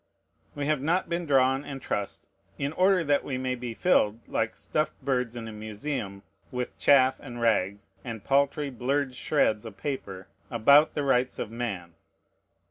We have not been drawn and trussed, in order that we may be filled, like stuffed birds in a museum, with chaff and rags, and paltry, blurred shreds of paper about the rights of man.